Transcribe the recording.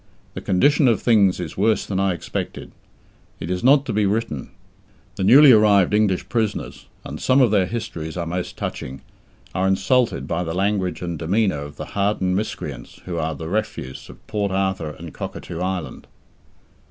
The condition of things is worse than I expected. It is not to be written. The newly arrived English prisoners and some of their histories are most touching are insulted by the language and demeanour of the hardened miscreants who are the refuse of Port Arthur and Cockatoo Island.